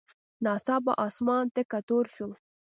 ناڅاپه اسمان تک تور شو.